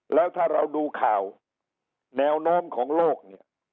แล้วถ้าเราดูข่าวแนวโน้มของโลกเนี่ย